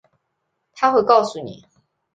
她会告诉你